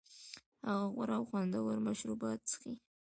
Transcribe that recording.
هغه غوره او خوندور مشروبات څښي